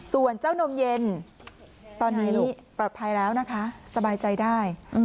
ส่วนเจ้านมเย็นตอนนี้ปลอดภัยแล้วนะคะสบายใจได้